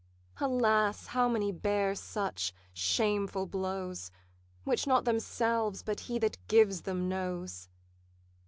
Alas, how many bear such shameful blows, Which not themselves, but he that gives them knows!